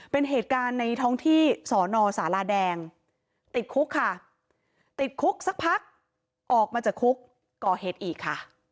เป็นเหตุการณ์ในท้องที่สอนอสาราแดงติดคุกค่ะติดคุกสักพักออกมาจากคุกก่อเหตุอีกค่ะ